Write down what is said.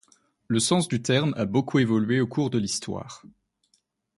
Le sens du terme a beaucoup évolué au cours de l'histoire.